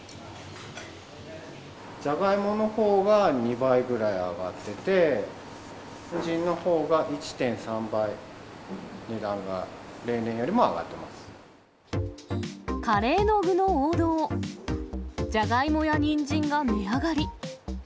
ジャガイモのほうが２倍ぐらい上がってて、ニンジンのほうが１．３倍、値段が例年よりも上がカレーの具の王道、ジャガイモやニンジンが値上がり。